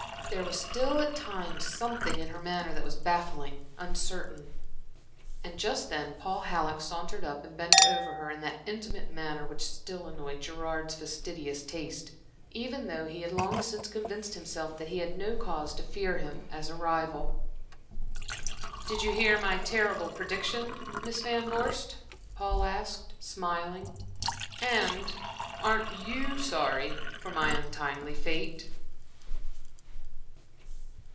There was still at times something in her manner that was baffling, uncertain. And just then Paul Halleck sauntered up and bent over her in that intimate manner which still annoyed Gerard's fastidious taste, even though he had long since convinced himself that he had no cause to fear him as a rival. "Did you hear 's terrible prediction, Miss Van Vorst?" Paul asked, smiling, "and aren't you sorry for my untimely fate?"